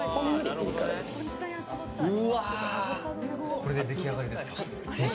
これで出来上がりですね。